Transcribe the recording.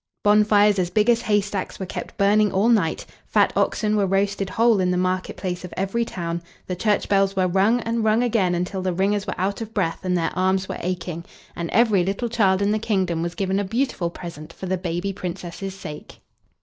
Bonfires as big as haystacks were kept burning all night, fat oxen were roasted whole in the market place of every town, the church bells were rung and rung again until the ringers were out of breath and their arms were aching, and every little child in the kingdom was given a beautiful present for the baby Princess's sake.